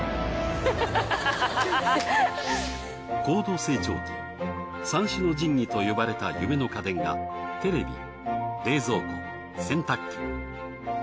高度成長期三種の神器と呼ばれた夢の家電がテレビ冷蔵庫洗濯機。